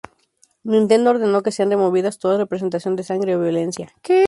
Nintendo ordenó que sean removidas toda representación de sangre o violencia.